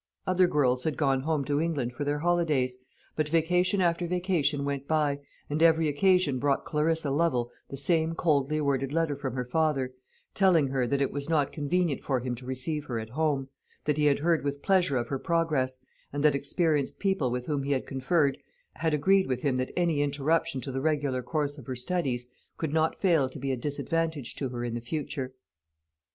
Other girls had gone home to England for their holidays; but vacation after vacation went by, and every occasion brought Clarissa Lovel the same coldly worded letter from her father, telling her that it was not convenient for him to receive her at home, that he had heard with pleasure of her progress, and that experienced people with whom he had conferred, had agreed with him that any interruption to the regular course of her studies could not fail to be a disadvantage to her in the future.